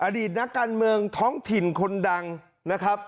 อดีตนักการเมืองท้องถิ่นคนดังนะครับ